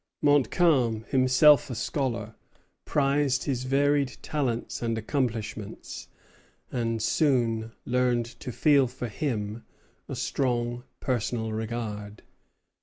Montcalm, himself a scholar, prized his varied talents and accomplishments, and soon learned to feel for him a strong personal regard.